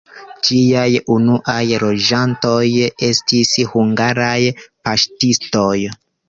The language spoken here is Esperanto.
Ĝiaj unuaj loĝantoj estis hungaraj paŝtistoj.